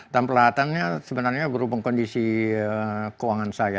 dan perlahatannya sebenarnya berhubung kondisi keuangan saya